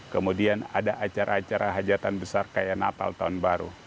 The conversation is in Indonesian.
kemudian ada acara acara hajatan besar kayak natal tahun baru